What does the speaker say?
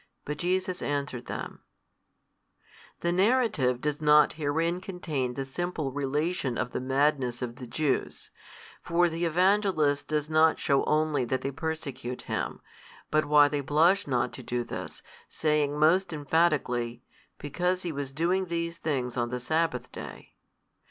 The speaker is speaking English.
But Jesus answered them, The narrative does not herein contain the simple relation of the madness of the Jews: for the Evangelist does not shew only that they persecute Him, but why they blush |242 not to do this, saying most emphatically, Because He was doing these things on the sabbath day.